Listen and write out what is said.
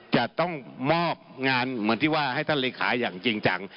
จะต้องมอบงานเหมือนที่ว่าให้ท่านเลขาอย่างจริงจัง